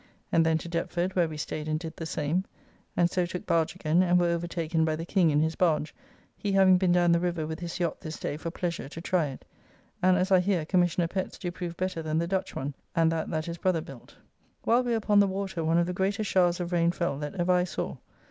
And then to Deptford, where we staid and did the same; and so took barge again, and were overtaken by the King in his barge, he having been down the river with his yacht this day for pleasure to try it; and, as I hear, Commissioner Pett's do prove better than the Dutch one, and that that his brother built. While we were upon the water, one of the greatest showers of rain fell that ever I saw.